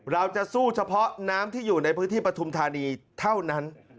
เราจะสู้เฉพาะน้ำที่อยู่ในพื้นที่ปฐุมธานีเท่านั้น